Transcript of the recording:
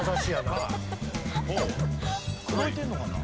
口説いてんのかな？